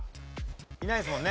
いないですもんね。